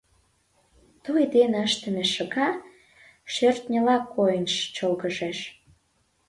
Той дене ыштыме шыга шӧртньыла койын чолгыжеш.